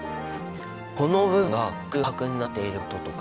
この部分が空白になっていることとか。